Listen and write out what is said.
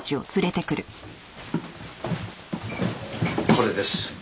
これです。